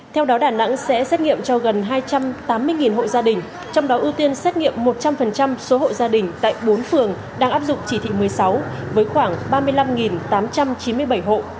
theo đó đà nẵng sẽ xét nghiệm cho gần hai trăm tám mươi hộ gia đình trong đó ưu tiên xét nghiệm một trăm linh số hộ gia đình tại bốn phường đang áp dụng chỉ thị một mươi sáu với khoảng ba mươi năm tám trăm chín mươi bảy hộ